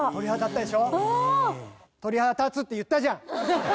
「鳥肌立つ」って言ったじゃん。